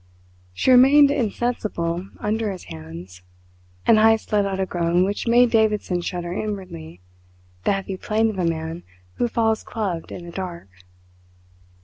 She remained insensible under his hands, and Heyst let out a groan which made Davidson shudder inwardly the heavy plaint of a man who falls clubbed in the dark.